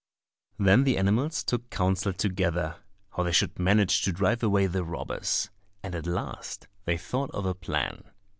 Then the animals took counsel together how they should manage to drive away the robbers, and at last they thought of a plan.